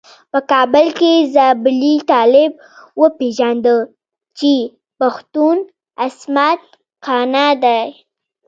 په کابل کې زابلي طالب وپيژانده چې پښتون عصمت قانع دی.